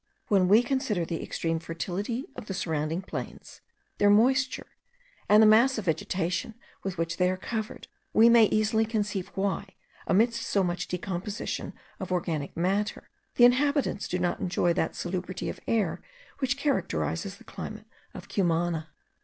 When we consider the extreme fertility of the surrounding plains, their moisture, and the mass of vegetation with which they are covered, we may easily conceive why, amidst so much decomposition of organic matter, the inhabitants do not enjoy that salubrity of air which characterizes the climate of Cumana.